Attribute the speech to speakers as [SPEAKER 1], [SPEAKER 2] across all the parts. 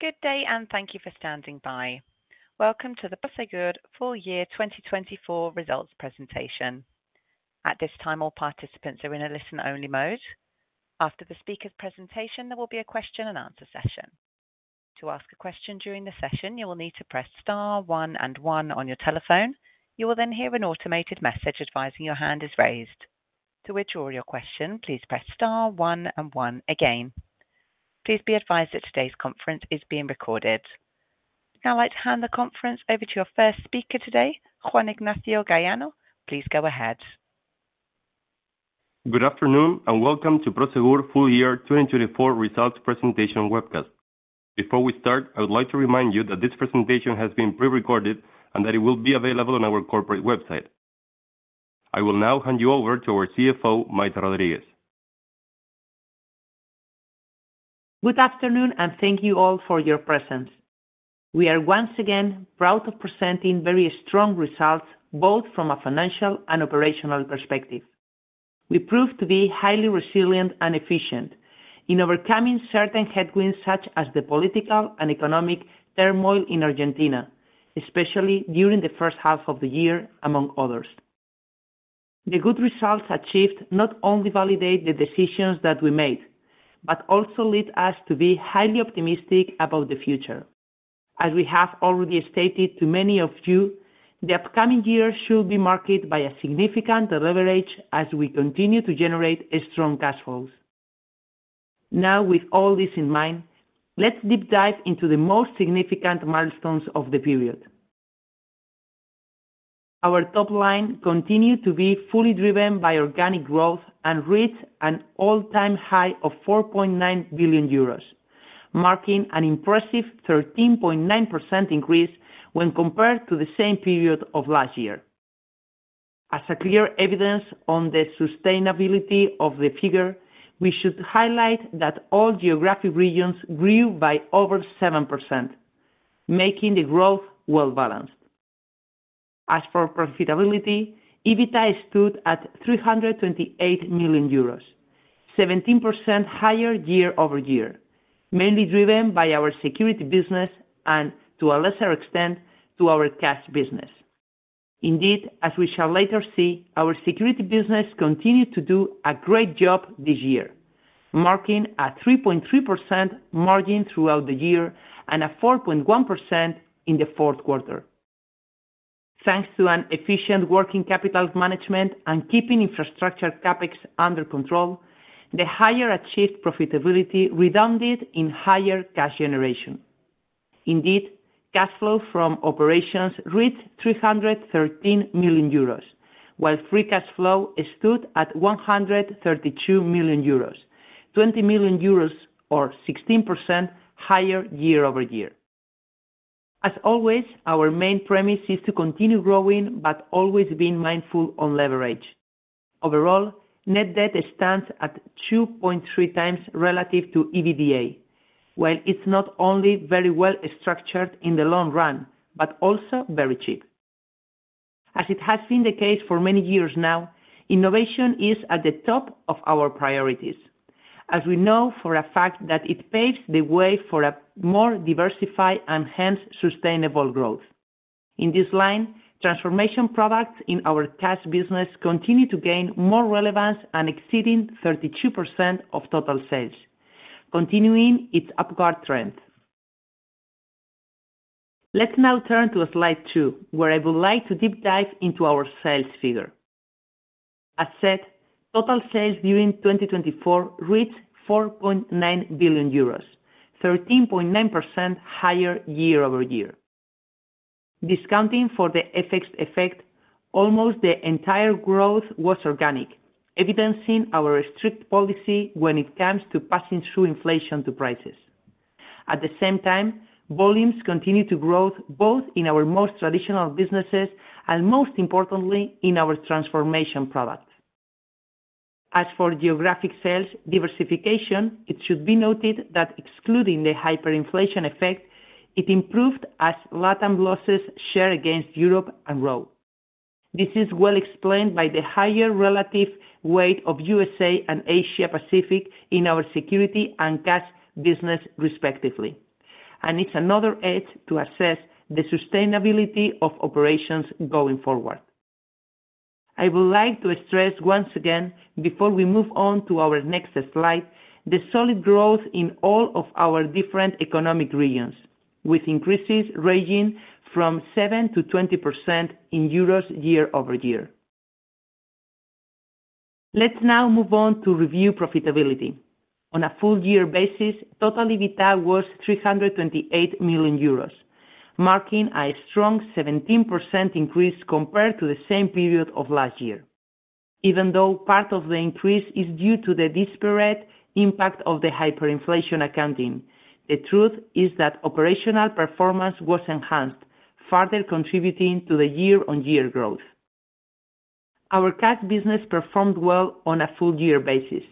[SPEAKER 1] Good day, and thank you for standing by. Welcome to the Prosegur 2024 results presentation. At this time, all participants are in a listen-only mode. After the speaker's presentation, there will be a question-and-answer session. To ask a question during the session, you will need to press star, one, and one on your telephone. You will then hear an automated message advising your hand is raised. To withdraw your question, please press star, one, and one again. Please be advised that today's conference is being recorded. Now, I'd like to hand the conference over to your first speaker today, Juan Ignacio Galleano. Please go ahead.
[SPEAKER 2] Good afternoon, and welcome to Prosegur 2024 results presentation webcast. Before we start, I would like to remind you that this presentation has been pre-recorded and that it will be available on our corporate website. I will now hand you over to our CFO, Maite Rodríguez.
[SPEAKER 3] Good afternoon, and thank you all for your presence. We are once again proud to present very strong results, both from a financial and operational perspective. We proved to be highly resilient and efficient in overcoming certain headwinds such as the political and economic turmoil in Argentina, especially during the first half of the year, among others. The good results achieved not only validate the decisions that we made, but also lead us to be highly optimistic about the future. As we have already stated to many of you, the upcoming year should be marked by significant leverage as we continue to generate strong cash flows. Now, with all this in mind, let's deep dive into the most significant milestones of the period. Our top line continued to be fully driven by organic growth and reached an all-time high of 4.9 billion euros, marking an impressive 13.9% increase when compared to the same period of last year. As clear evidence on the sustainability of the figure, we should highlight that all geographic regions grew by over 7%, making the growth well-balanced. As for profitability, EBITDA stood at 328 million euros, 17% higher year-over-year, mainly driven by our security business and, to a lesser extent, our cash business. Indeed, as we shall later see, our security business continued to do a great job this year, marking a 3.3% margin throughout the year and a 4.1% in the fourth quarter. Thanks to efficient working capital management and keeping infrastructure capex under control, the higher achieved profitability redounded in higher cash generation. Indeed, cash flow from operations reached 313 million euros, while free cash flow stood at 132 million euros, 20 million euros, or 16% higher year-over-year. As always, our main premise is to continue growing but always being mindful of leverage. Overall, net debt stands at 2.3 times relative to EBITDA, while it's not only very well-structured in the long run but also very cheap. As it has been the case for many years now, innovation is at the top of our priorities, as we know for a fact that it paves the way for a more diversified and, hence, sustainable growth. In this line, transformation products in our cash business continue to gain more relevance and exceed 32% of total sales, continuing its upward trend. Let's now turn to slide two, where I would like to deep dive into our sales figure. As said, total sales during 2024 reached 4.9 billion euros, 13.9% higher year-over-year. Discounting for the effect, almost the entire growth was organic, evidencing our strict policy when it comes to passing through inflation to prices. At the same time, volumes continued to grow both in our most traditional businesses and, most importantly, in our transformation products. As for geographic sales diversification, it should be noted that excluding the hyperinflation effect, it improved as Latin losses shared against Europe and Rome. This is well explained by the higher relative weight of U.S. and Asia-Pacific in our security and cash business, respectively. It is another edge to assess the sustainability of operations going forward. I would like to stress once again, before we move on to our next slide, the solid growth in all of our different economic regions, with increases ranging from 7%-20% in EUR year-over-year. Let's now move on to review profitability. On a full-year basis, total EBITDA was 328 million euros, marking a strong 17% increase compared to the same period of last year. Even though part of the increase is due to the disparate impact of the hyperinflation accounting, the truth is that operational performance was enhanced, further contributing to the year-on-year growth. Our cash business performed well on a full-year basis,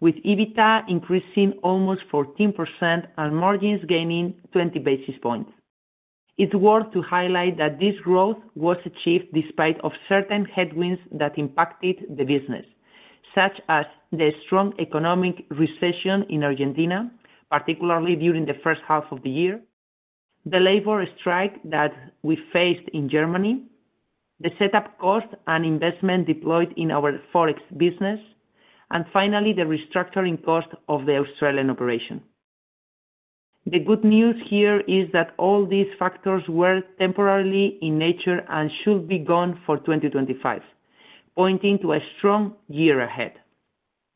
[SPEAKER 3] with EBITDA increasing almost 14% and margins gaining 20 basis points. It's worth highlighting that this growth was achieved despite certain headwinds that impacted the business, such as the strong economic recession in Argentina, particularly during the first half of the year, the labor strike that we faced in Germany, the setup cost and investment deployed in our forex business, and finally, the restructuring cost of the Australian operation. The good news here is that all these factors were temporary in nature and should be gone for 2025, pointing to a strong year ahead.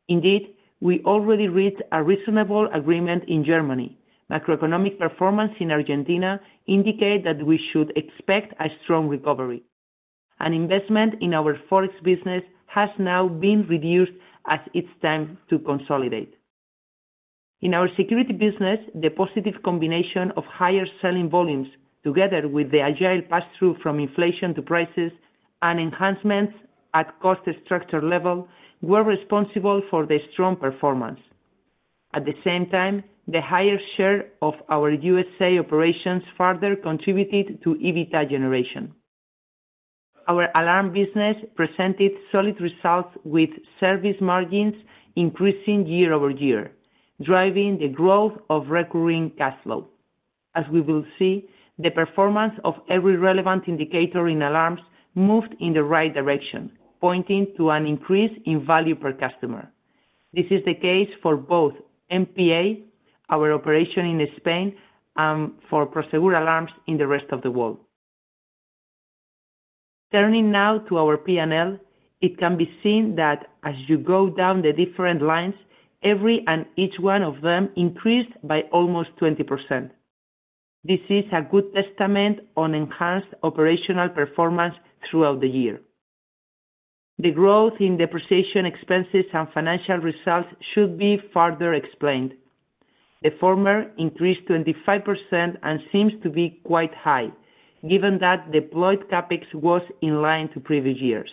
[SPEAKER 3] Indeed, we already reached a reasonable agreement in Germany. Macroeconomic performance in Argentina indicates that we should expect a strong recovery. Investment in our forex business has now been reduced as it's time to consolidate. In our security business, the positive combination of higher selling volumes, together with the agile pass-through from inflation to prices and enhancements at cost structure level, were responsible for the strong performance. At the same time, the higher share of our U.S. operations further contributed to EBITDA generation. Our alarm business presented solid results with service margins increasing year-over-year, driving the growth of recurring cash flow. As we will see, the performance of every relevant indicator in alarms moved in the right direction, pointing to an increase in value per customer. This is the case for both MPA, our operation in Spain, and for Prosegur alarms in the rest of the world. Turning now to our P&L, it can be seen that as you go down the different lines, every and each one of them increased by almost 20%. This is a good testament to enhanced operational performance throughout the year. The growth in depreciation expenses and financial results should be further explained. The former increased 25% and seems to be quite high, given that deployed Capex was in line to previous years.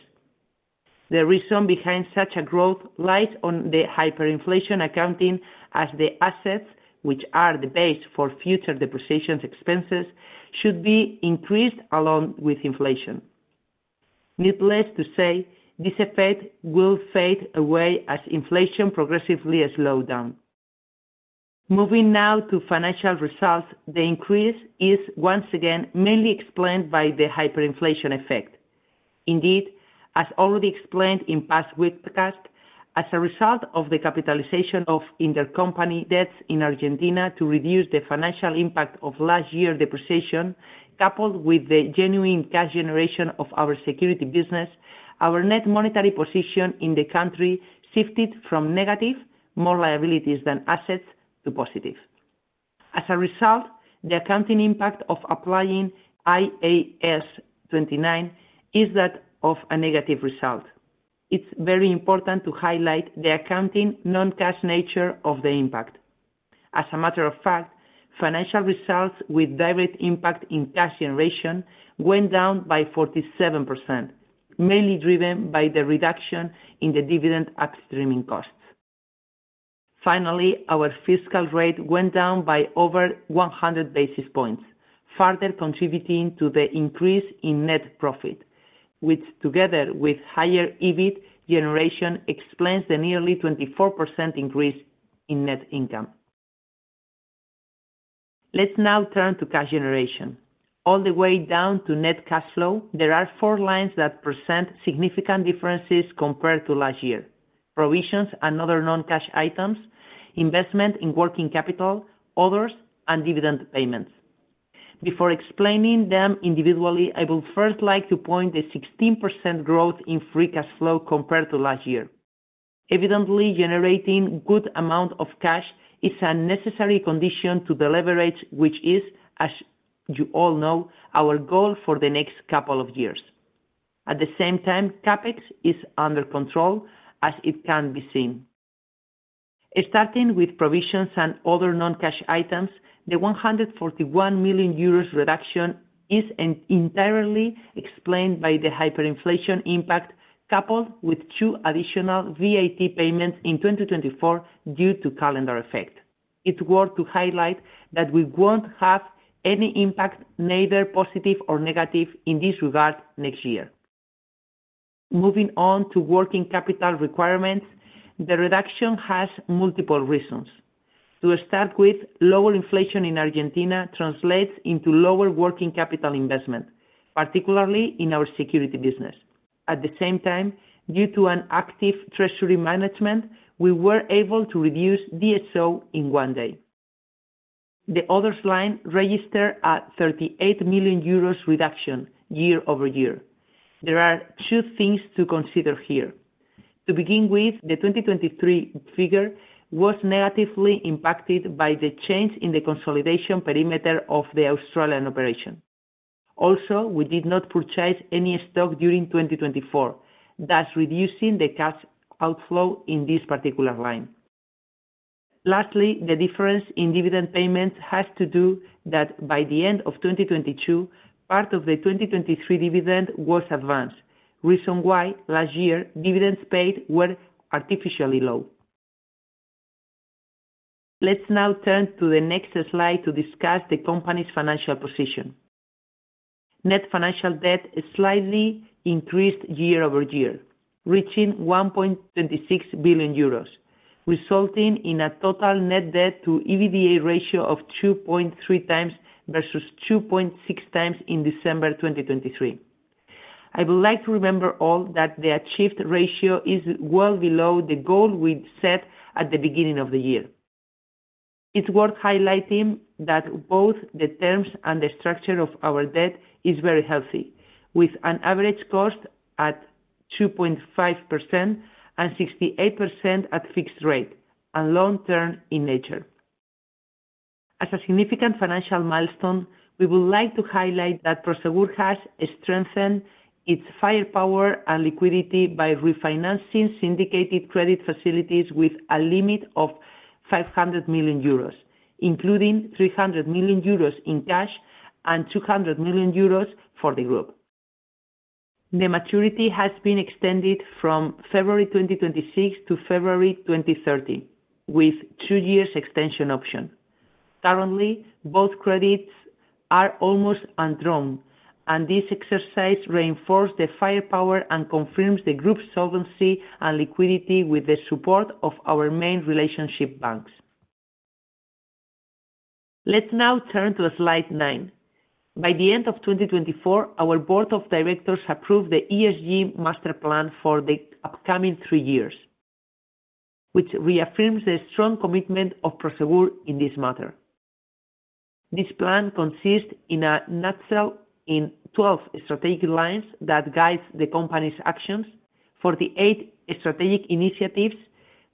[SPEAKER 3] The reason behind such a growth lies in the hyperinflation accounting, as the assets, which are the base for future depreciation expenses, should be increased along with inflation. Needless to say, this effect will fade away as inflation progressively slows down. Moving now to financial results, the increase is once again mainly explained by the hyperinflation effect. Indeed, as already explained in past webcasts, as a result of the capitalization of intercompany debts in Argentina to reduce the financial impact of last year's depreciation, coupled with the genuine cash generation of our security business, our net monetary position in the country shifted from negative, more liabilities than assets, to positive. As a result, the accounting impact of applying IAS 29 is that of a negative result. It is very important to highlight the accounting non-cash nature of the impact. As a matter of fact, financial results with direct impact in cash generation went down by 47%, mainly driven by the reduction in the dividend upstreaming cost. Finally, our fiscal rate went down by over 100 basis points, further contributing to the increase in net profit, which, together with higher EBIT generation, explains the nearly 24% increase in net income. Let's now turn to cash generation. All the way down to net cash flow, there are four lines that present significant differences compared to last year: provisions and other non-cash items, investment in working capital, others, and dividend payments. Before explaining them individually, I would first like to point to the 16% growth in free cash flow compared to last year. Evidently, generating a good amount of cash is a necessary condition to the leverage, which is, as you all know, our goal for the next couple of years. At the same time, CapEx is under control, as it can be seen. Starting with provisions and other non-cash items, the 141 million euros reduction is entirely explained by the hyperinflation impact coupled with two additional VAT payments in 2024 due to calendar effect. It's worth to highlight that we won't have any impact, neither positive nor negative, in this regard next year. Moving on to working capital requirements, the reduction has multiple reasons. To start with, lower inflation in Argentina translates into lower working capital investment, particularly in our Security Business. At the same time, due to active treasury management, we were able to reduce DSO in one day. The others line register a 38 million euros reduction year-over-year. There are two things to consider here. To begin with, the 2023 figure was negatively impacted by the change in the consolidation perimeter of the Australian operation. Also, we did not purchase any stock during 2024, thus reducing the cash outflow in this particular line. Lastly, the difference in dividend payments has to do with that by the end of 2022, part of the 2023 dividend was advanced, reason why last year dividends paid were artificially low. Let's now turn to the next slide to discuss the company's financial position. Net financial debt slightly increased year-over-year, reaching 1.26 billion euros, resulting in a total net debt-to-EBITDA ratio of 2.3 times versus 2.6 times in December 2023. I would like to remember all that the achieved ratio is well below the goal we set at the beginning of the year. It's worth highlighting that both the terms and the structure of our debt are very healthy, with an average cost at 2.5% and 68% at fixed rate and long-term in nature. As a significant financial milestone, we would like to highlight that Prosegur has strengthened its firepower and liquidity by refinancing syndicated credit facilities with a limit of 500 million euros, including 300 million euros in cash and 200 million euros for the group. The maturity has been extended from February 2026 to February 2030, with a two-year extension option. Currently, both credits are almost drawn, and this exercise reinforces the firepower and confirms the group's solvency and liquidity with the support of our main relationship banks. Let's now turn to slide nine. By the end of 2024, our Board of Directors approved the ESG master plan for the upcoming three years, which reaffirms the strong commitment of Prosegur in this matter. This plan consists in a nutshell in 12 strategic lines that guide the company's actions. For the eight strategic initiatives,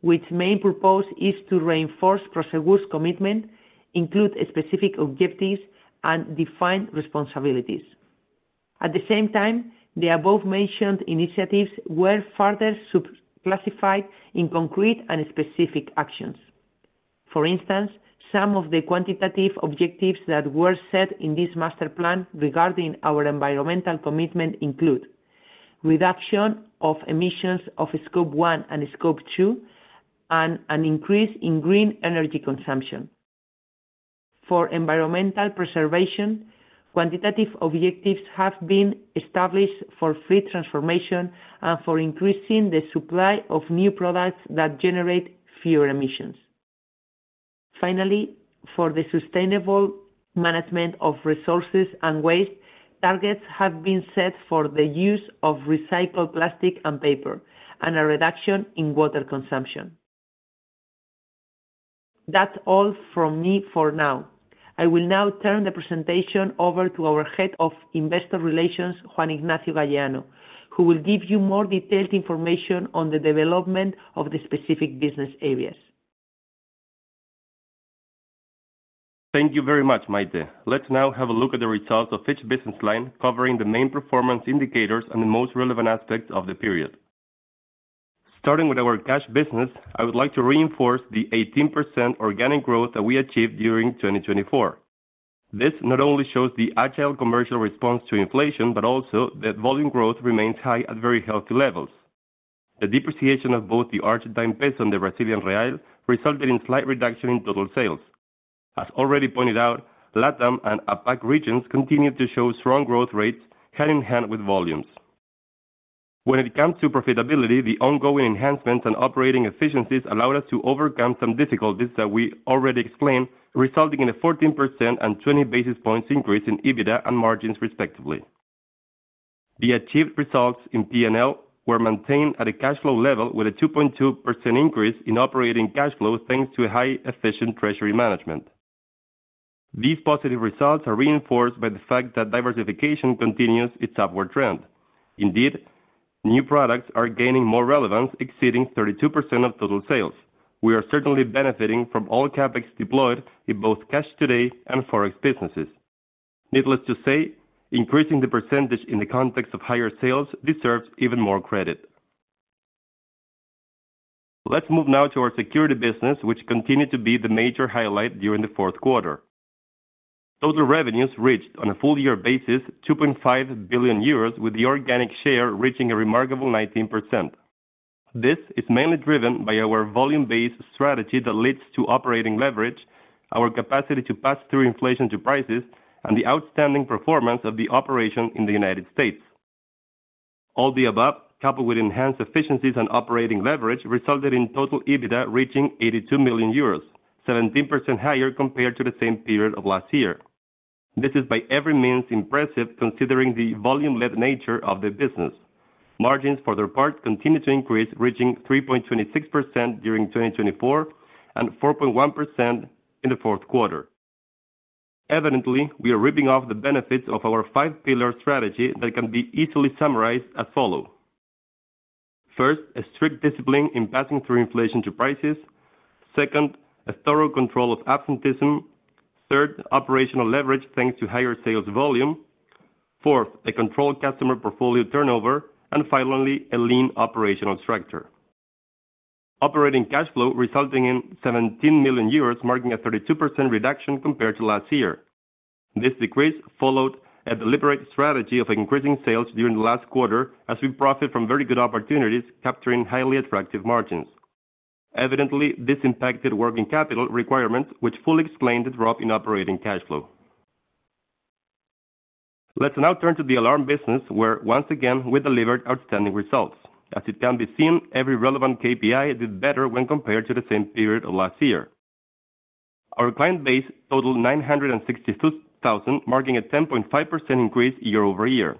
[SPEAKER 3] which main purpose is to reinforce Prosegur's commitment, include specific objectives and defined responsibilities. At the same time, the above-mentioned initiatives were further subclassified in concrete and specific actions. For instance, some of the quantitative objectives that were set in this master plan regarding our environmental commitment include reduction of emissions of Scope One and Scope Two, and an increase in green energy consumption. For environmental preservation, quantitative objectives have been established for free transformation and for increasing the supply of new products that generate fewer emissions. Finally, for the sustainable management of resources and waste, targets have been set for the use of recycled plastic and paper, and a reduction in water consumption. That's all from me for now. I will now turn the presentation over to our Head of Investor Relations, Juan Ignacio Galleano, who will give you more detailed information on the development of the specific business areas.
[SPEAKER 2] Thank you very much, Maite. Let's now have a look at the results of each business line covering the main performance indicators and the most relevant aspects of the period. Starting with our Cash Business, I would like to reinforce the 18% organic growth that we achieved during 2024. This not only shows the agile commercial response to inflation, but also that volume growth remains high at very healthy levels. The depreciation of both the Argentine peso and the Brazilian real resulted in a slight reduction in total sales. As already pointed out, Latin and APAC regions continue to show strong growth rates hand in hand with volumes. When it comes to profitability, the ongoing enhancements and operating efficiencies allowed us to overcome some difficulties that we already explained, resulting in a 14% and 20 basis points increase in EBITDA and margins, respectively. The achieved results in P&L were maintained at a cash flow level with a 2.2% increase in operating cash flow thanks to high-efficiency treasury management. These positive results are reinforced by the fact that diversification continues its upward trend. Indeed, new products are gaining more relevance, exceeding 32% of total sales. We are certainly benefiting from all CapEx deployed in both cash today and forex businesses. Needless to say, increasing the percentage in the context of higher sales deserves even more credit. Let's move now to our Security Business, which continued to be the major highlight during the fourth quarter. Total revenues reached, on a full-year basis, 2.5 billion euros, with the organic share reaching a remarkable 19%. This is mainly driven by our volume-based strategy that leads to operating leverage, our capacity to pass through inflation to prices, and the outstanding performance of the operation in the U.S. All the above, coupled with enhanced efficiencies and operating leverage, resulted in total EBITDA reaching 82 million euros, 17% higher compared to the same period of last year. This is by every means impressive, considering the volume-led nature of the business. Margins, for their part, continue to increase, reaching 3.26% during 2024 and 4.1% in the fourth quarter. Evidently, we are ripping off the benefits of our five-pillar strategy that can be easily summarized as follows. First, a strict discipline in passing through inflation to prices. Second, a thorough control of absenteeism. Third, operational leverage thanks to higher sales volume. Fourth, a controlled customer portfolio turnover. And finally, a lean operational structure. Operating cash flow resulting in 17 million euros, marking a 32% reduction compared to last year. This decrease followed a deliberate strategy of increasing sales during the last quarter, as we profited from very good opportunities, capturing highly attractive margins. Evidently, this impacted working capital requirements, which fully explained the drop in operating cash flow. Let's now turn to the alarm business, where, once again, we delivered outstanding results. As it can be seen, every relevant KPI did better when compared to the same period of last year. Our client base totaled 962,000, marking a 10.5% increase year-over-year.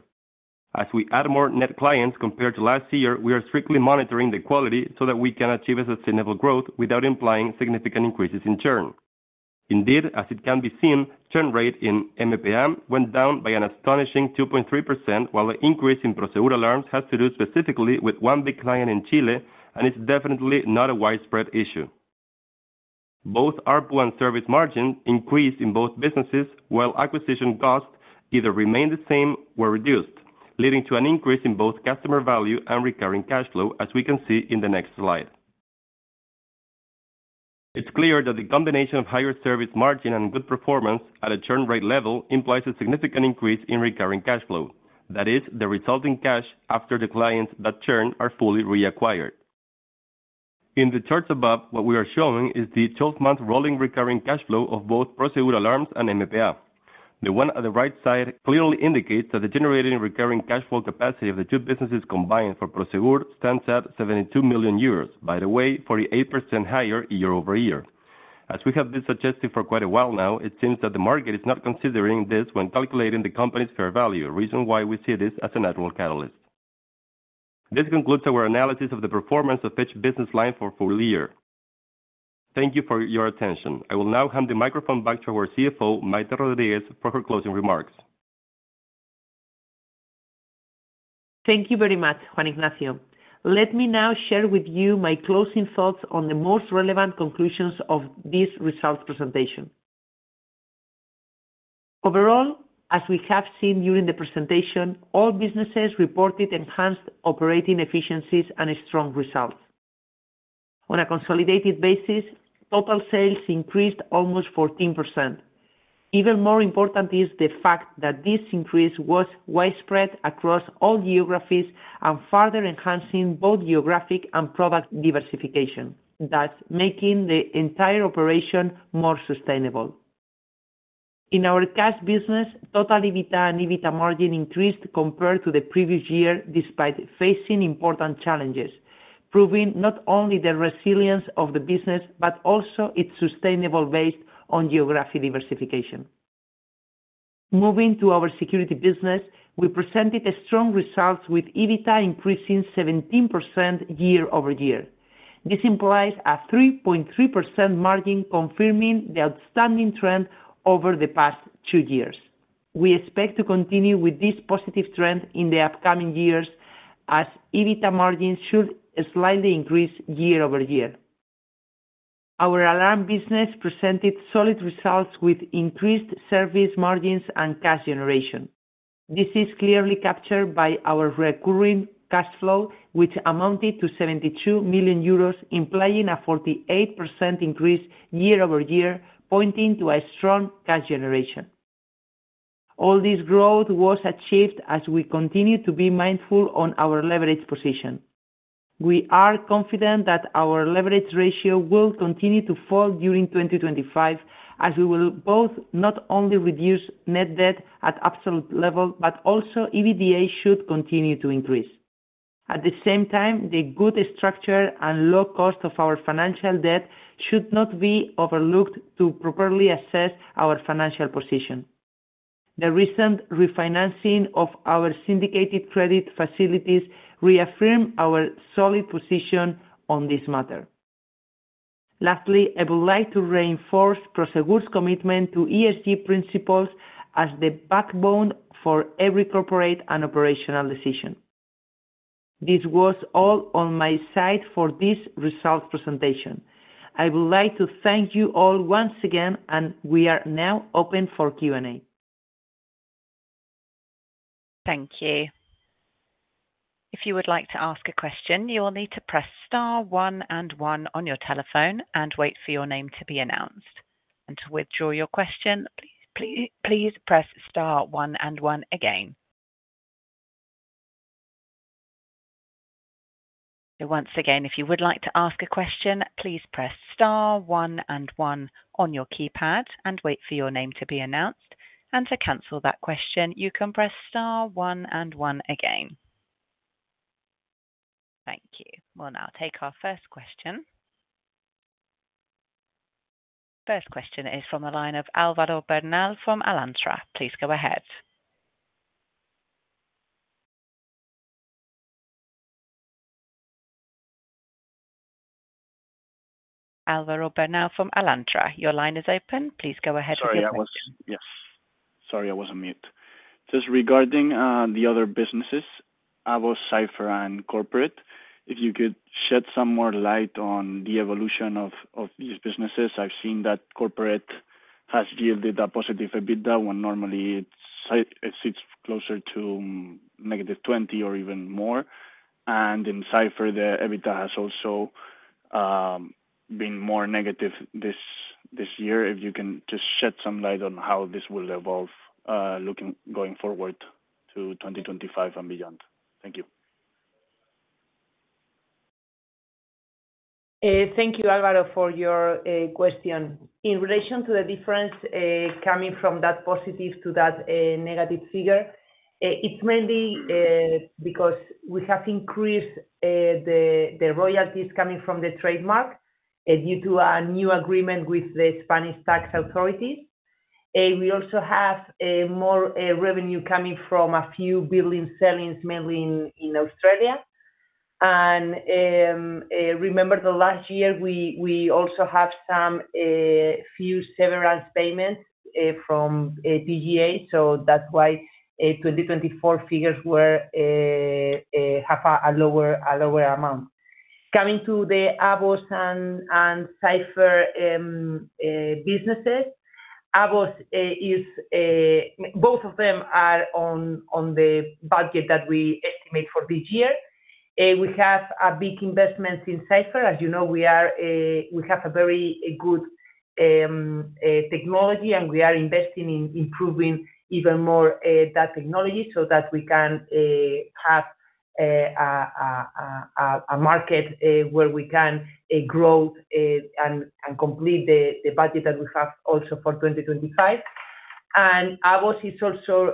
[SPEAKER 2] As we add more net clients compared to last year, we are strictly monitoring the quality so that we can achieve a sustainable growth without implying significant increases in churn. Indeed, as it can be seen, churn rate in MPA went down by an astonishing 2.3%, while the increase in Procedure Alarms has to do specifically with one big client in Chile, and it is definitely not a widespread issue. Both ARPU and service margin increased in both businesses, while acquisition costs either remained the same or were reduced, leading to an increase in both customer value and recurring cash flow, as we can see in the next slide. It's clear that the combination of higher service margin and good performance at a churn rate level implies a significant increase in recurring cash flow. That is, the resulting cash after the clients that churn are fully reacquired. In the charts above, what we are showing is the 12-month rolling recurring cash flow of both Prosegur Alarms and MPA. The one at the right side clearly indicates that the generating recurring cash flow capacity of the two businesses combined for Prosegur stands at 72 million euros, by the way, 48% higher year-over-year. As we have been suggesting for quite a while now, it seems that the market is not considering this when calculating the company's fair value, a reason why we see this as a natural catalyst. This concludes our analysis of the performance of each business line for the full year. Thank you for your attention. I will now hand the microphone back to our CFO, Maite Rodríguez, for her closing remarks.
[SPEAKER 3] Thank you very much, Juan Ignacio. Let me now share with you my closing thoughts on the most relevant conclusions of this results presentation. Overall, as we have seen during the presentation, all businesses reported enhanced operating efficiencies and strong results. On a consolidated basis, total sales increased almost 14%. Even more important is the fact that this increase was widespread across all geographies and further enhancing both geographic and product diversification, thus making the entire operation more sustainable. In our cash business, total EBITDA and EBITA margin increased compared to the previous year despite facing important challenges, proving not only the resilience of the business but also its sustainability based on geographic diversification. Moving to our security business, we presented strong results with EBITDA increasing 17% year-over-year. This implies a 3.3% margin, confirming the outstanding trend over the past two years. We expect to continue with this positive trend in the upcoming years as EBITDA margins should slightly increase year-over-year. Our alarm business presented solid results with increased service margins and cash generation. This is clearly captured by our recurring cash flow, which amounted to 72 million euros, implying a 48% increase year-over-year, pointing to a strong cash generation. All this growth was achieved as we continue to be mindful of our leverage position. We are confident that our leverage ratio will continue to fall during 2025, as we will both not only reduce net debt at absolute level, but also EBITDA should continue to increase. At the same time, the good structure and low cost of our financial debt should not be overlooked to properly assess our financial position. The recent refinancing of our syndicated credit facilities reaffirms our solid position on this matter. Lastly, I would like to reinforce Prosegur's commitment to ESG principles as the backbone for every corporate and operational decision. This was all on my side for this results presentation. I would like to thank you all once again, and we are now open for Q&A.
[SPEAKER 1] Thank you. If you would like to ask a question, you will need to press star one and one on your telephone and wait for your name to be announced. To withdraw your question, please press star one and one again. If you would like to ask a question, please press star one and one on your keypad and wait for your name to be announced. To cancel that question, you can press star one and one again. Thank you. We'll now take our first question. The first question is from the line of Álvaro Bernal from Alantra. Please go ahead. Álvaro Bernal from Alantra, your line is open. Please go ahead and read the question.
[SPEAKER 4] Sorry, I was on mute. Just regarding the other businesses, ABBO, Cypher, and Corporate, if you could shed some more light on the evolution of these businesses. I've seen that Corporate has yielded a positive EBITDA when normally it sits closer to -20 or even more. And in Cypher, the EBITDA has also been more negative this year. If you can just shed some light on how this will evolve going forward to 2025 and beyond. Thank you.
[SPEAKER 3] Thank you, Álvaro, for your question. In relation to the difference coming from that positive to that negative figure, it's mainly because we have increased the royalties coming from the trademark due to a new agreement with the Spanish tax authorities. We also have more revenue coming from a few building sellings, mainly in Australia. Remember, last year, we also had some few severance payments from DGA, so that's why 2024 figures have a lower amount. Coming to the ABBO and Cypher businesses, ABBO is both of them are on the budget that we estimate for this year. We have big investments in Cypher. As you know, we have a very good technology, and we are investing in improving even more that technology so that we can have a market where we can grow and complete the budget that we have also for 2025. ABBO is also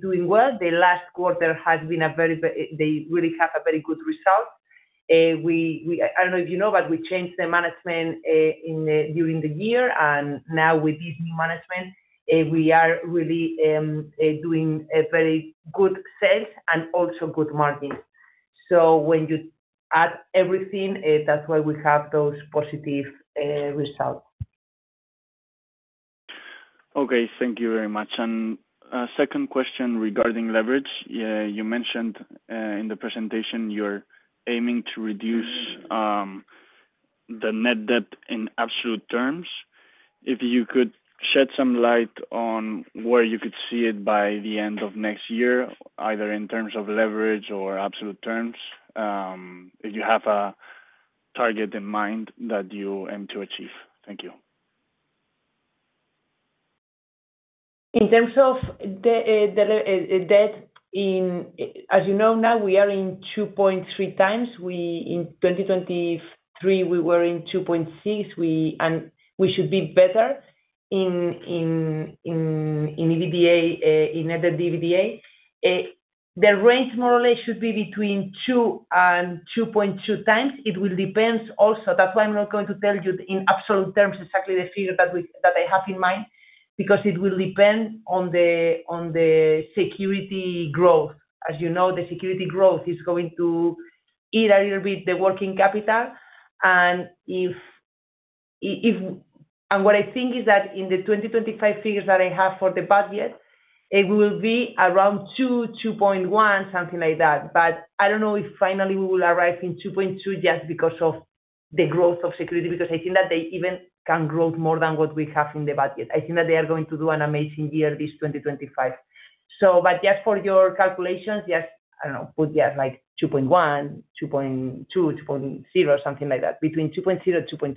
[SPEAKER 3] doing well. The last quarter has been a very, they really have a very good result. I don't know if you know, but we changed the management during the year. Now, with this new management, we are really doing very good sales and also good margins. When you add everything, that's why we have those positive results.
[SPEAKER 4] Okay. Thank you very much. Second question regarding leverage. You mentioned in the presentation you're aiming to reduce the net debt in absolute terms. If you could shed some light on where you could see it by the end of next year, either in terms of leverage or absolute terms, if you have a target in mind that you aim to achieve. Thank you.
[SPEAKER 3] In terms of the debt, as you know, now we are in 2.3 times. In 2023, we were in 2.6. We should be better in EBITDA, in net EBITDA. The range more or less should be between 2 and 2.2 times. It will depend also. That is why I am not going to tell you in absolute terms exactly the figure that I have in mind, because it will depend on the security growth. As you know, the security growth is going to eat a little bit the working capital. What I think is that in the 2025 figures that I have for the budget, it will be around 2, 2.1, something like that. I do not know if finally we will arrive in 2.2 just because of the growth of security, because I think that they even can grow more than what we have in the budget. I think that they are going to do an amazing year this 2025. Just for your calculations, just put, yeah, like 2.1, 2.2, 2.0, something like that, between 2.0 and 2.2.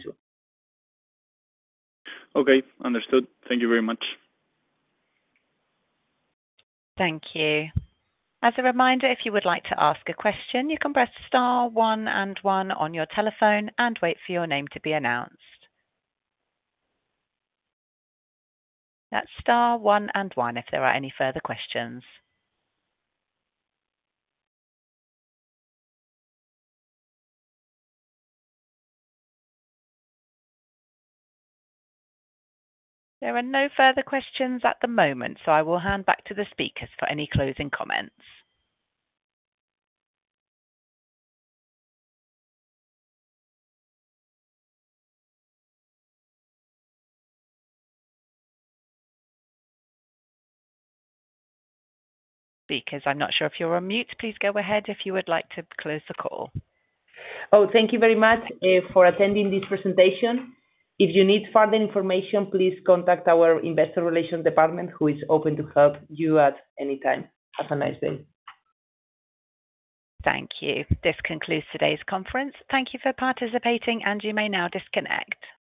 [SPEAKER 4] Okay. Understood. Thank you very much.
[SPEAKER 1] Thank you. As a reminder, if you would like to ask a question, you can press star one and one on your telephone and wait for your name to be announced. That is star one and one if there are any further questions. There are no further questions at the moment, so I will hand back to the speakers for any closing comments. Speakers, I am not sure if you are on mute. Please go ahead if you would like to close the call.
[SPEAKER 3] Oh, thank you very much for attending this presentation. If you need further information, please contact our investor relations department, who is open to help you at any time. Have a nice day. Thank you. This concludes today's conference.
[SPEAKER 1] Thank you for participating, and you may now disconnect.